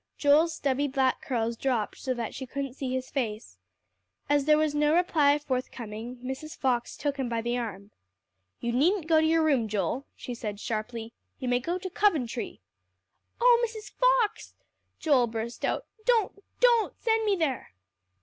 Joel's stubby black curls dropped so that she couldn't see his face. As there was no reply forthcoming, Mrs. Fox took him by the arm. "You needn't go to your room, Joel," she said sharply. "You may go to Coventry." "Oh Mrs. Fox," Joel burst out, "don't don't send me there."